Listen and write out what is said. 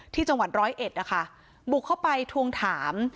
ที่จังหวัดร้อยเอ็ดนะคะบุกเข้าไปทวงถาม